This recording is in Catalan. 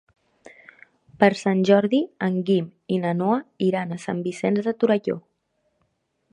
Per Sant Jordi en Guim i na Noa iran a Sant Vicenç de Torelló.